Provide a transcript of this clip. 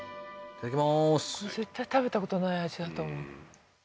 絶対食べたことない味だと思う